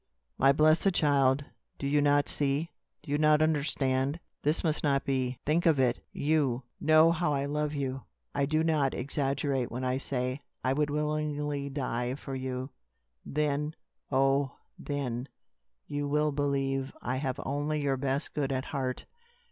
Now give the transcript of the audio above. My blessed child, do you not see do you not understand this must not be. Think of it. You know how I love you. I do not exaggerate when I say, I would willingly die for you. Then, oh, then, you will believe I have only your best good at heart.